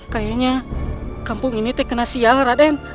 kayanya kampung ini tak kena siang raden